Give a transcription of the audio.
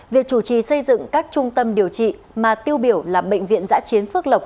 việc chủ trì xây dựng các trung tâm điều trị mà tiêu biểu là bệnh viện giã chiến phước lộc